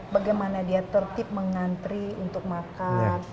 bagaimana dia tertip mengantri untuk makan